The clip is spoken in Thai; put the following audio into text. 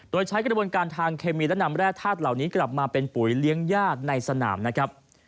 โดยใช้กระบวนการทางเคมีและนำแร่ธาตุเหล่านี้กลับมาเป็นปุ๋ยเลี้ยงญาติในสนามนะครับ